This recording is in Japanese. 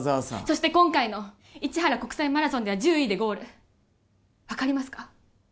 そして今回の市原国際マラソンでは１０位でゴール分かりますか？